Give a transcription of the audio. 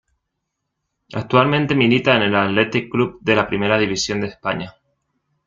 Actualmente milita en el Athletic Club de la Primera División de España.